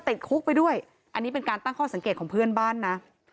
ติดคุกไปด้วยอันนี้เป็นการตั้งข้อสังเกตของเพื่อนบ้านนะ